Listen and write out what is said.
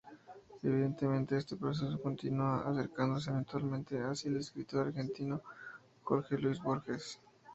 Evidentemente, este proceso continúa, acercándose eventualmente hacia el escritor argentino Jorge Luis Borges.